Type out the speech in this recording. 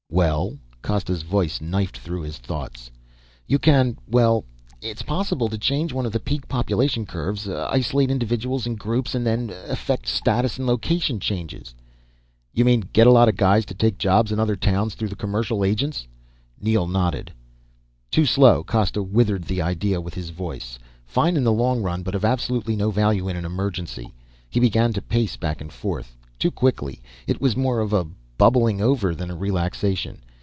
"Well?" Costa's voice knifed through his thoughts. "You can ... well ... it's possible to change one of the peak population curves. Isolate individuals and groups, then effect status and location changes " "You mean get a lot of guys to take jobs in other towns through the commercial agents?" Neel nodded. "Too slow." Costa withered the idea with his voice. "Fine in the long run, but of absolutely no value in an emergency." He began to pace back and forth. Too quickly. It was more of a bubbling over than a relaxation.